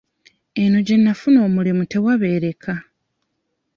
Eno gye nnafuna omulimu tewabeereka.